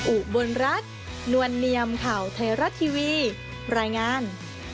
อุบลรัฐนวลเนียมข่าวไทยรัฐทีวีรายงาน